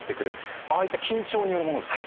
ああいった緊張によるものですか？